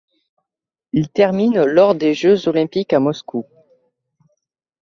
Il termine lors des Jeux olympiques à Moscou.